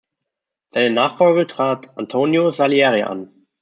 Seine Nachfolge trat Antonio Salieri an.